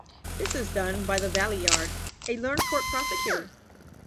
This is done by the Valeyard, a learned Court Prosecutor.